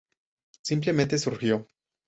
Simplemente surgió.